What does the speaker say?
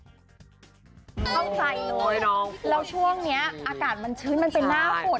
เข้าใจเลยแล้วช่วงนี้อากาศมันชื้นมันเป็นหน้าฝน